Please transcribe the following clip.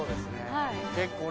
はい。